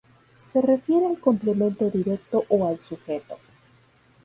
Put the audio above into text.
Se refiere al complemento directo o al sujeto.